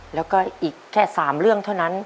แล้วก็อีกแค่๓เรื่องเท่านั้น